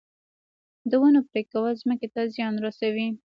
د ونو پرې کول ځمکې ته زیان رسوي